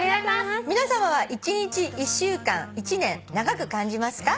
皆さまは１日１週間１年長く感じますか？